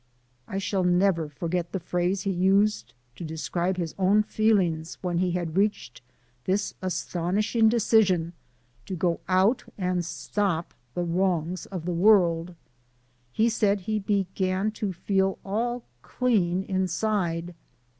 I shall never forget the phrase he used to describe his own feelings when he had reached this astonishing decision to go out and stop the wrongs of the World. He said he "began to feel all clean inside."